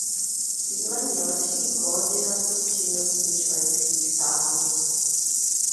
Cílem je lepší koordinace s činnostmi členských států.